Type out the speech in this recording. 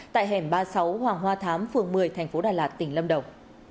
tại hẻm ba mươi sáu hoàng hoa thám phường một mươi tp đà lạt tỉnh lâm đồng